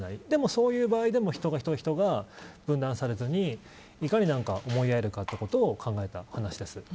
でも、そういう場合でも人が分断されずにいかに思いあえるかということを考えた話です。